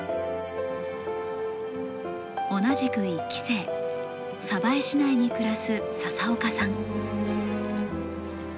同じく１期生鯖江市内に暮らす笹岡さん。